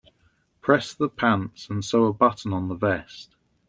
Press the pants and sew a button on the vest.